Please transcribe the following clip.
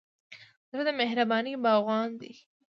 زړه د مهربانۍ باغوان دی.